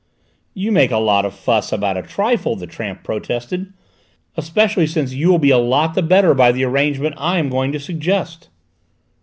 "You make a lot of fuss about a trifle," the tramp protested, "especially since you will be a lot the better by the arrangement I'm going to suggest."